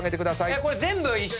これ全部一緒？